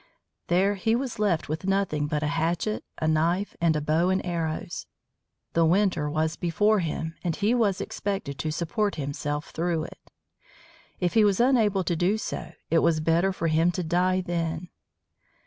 There he was left with nothing but a hatchet, a knife, and a bow and arrows. The winter was before him, and he was expected to support himself through it. If he was unable to do so, it was better for him to die then.